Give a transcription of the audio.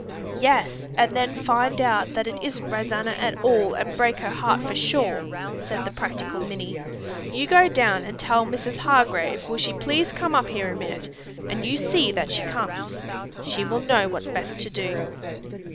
"Yes, and then find out that it isn't Rosanna at all and break her heart for sure," said the practical Minnie. "You go down and tell Mrs. Hargrave will she please come up here a minute, and you see that she comes. She will know what's best to do."